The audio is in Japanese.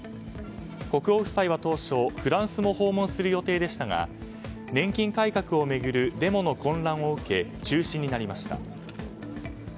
国王夫妻は当初フランスも訪問する予定でしたが年金改革を巡るデモの混乱を受け中止になりました。